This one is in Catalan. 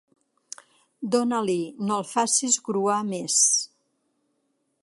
Dona-l'hi: no el facis gruar més.